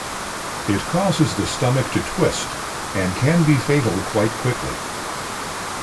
It causes the stomach to twist and can be fatal quite quickly.